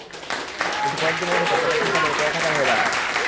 কিন্তু কয়েক দিনের ভেতর তাদের সংখ্যা বেড়ে কয়েক হাজার হয়ে দাঁড়ায়।